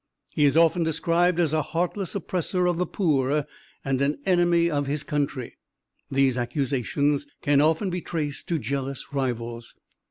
He is often described as a heartless oppressor of the poor and an enemy of his country. These accusations can often be traced to jealous rivals.